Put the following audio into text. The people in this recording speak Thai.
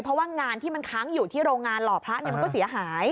เพราะว่างานที่มันค้างอยู่ที่โรงงานหล่อพระมันก็เสียหาย